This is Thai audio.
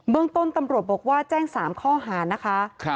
เรื่องต้นตำรวจบอกว่าแจ้ง๓ข้อหานะคะ